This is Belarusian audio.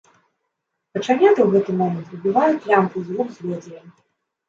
Качаняты ў гэты момант выбіваюць лямпу з рук злодзея.